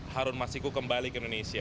harun masiku returned to indonesia